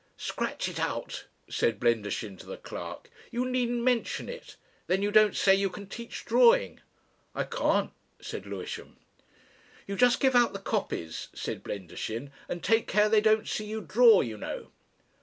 "Scratch it out," said Blendershin to the clerk. "You needn't mention it. Then you don't say you can teach drawing." "I can't," said Lewisham. "You just give out the copies," said Blendershin, "and take care they don't see you draw, you know."